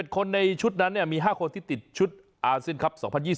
๑๑คนในชุดนั้นเนี่ยมี๕คนที่ติดชุดอาร์เซ็นครับ๒๐๒๐